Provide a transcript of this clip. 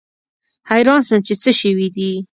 حیران شوم چې څه شوي دي.